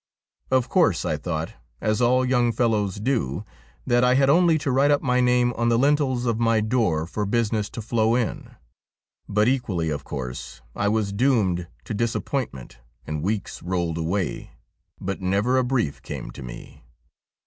Of course I thought, as all young fellows do, that I had only to write up my name on the lintels of my door for business to flow in ; but equally, of course, I was doomed to disappointment, and weeks rolled away, but never a brief came to me.